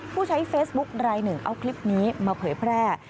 ผู้ใช้เฟซบุ๊คลายหนึ่งเอาคลิปนี้มาเผยแพร่